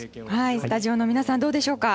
スタジオの皆さんどうでしょうか。